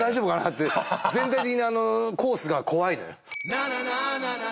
全体的にコースが怖いのよ